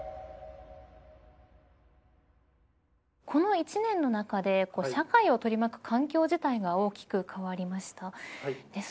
この一年の中で社会を取り巻く環境自体が大きく変わりました。